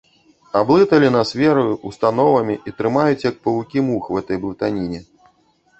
Аблыталі нас вераю, установамі і трымаюць, як павукі мух у гэтай блытаніне.